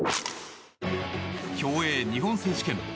競泳日本選手権。